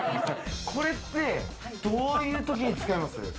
これって、どういう時に使います？